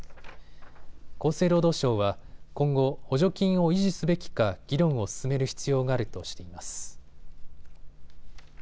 厚生労働省は今後、補助金を維持すべきか議論を進める必要があるとしています。